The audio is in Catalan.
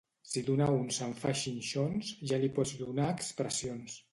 Si d'una unça en fa xinxons, ja li pots donar expressions.